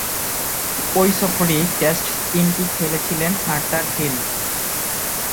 ঐ সফরেই টেস্ট তিনটি খেলেছিলেন আর্থার হিল।